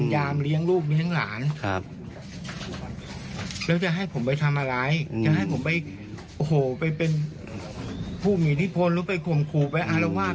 อย่างงี้ที่โพนลุงไปควมขู่ไปอารวาด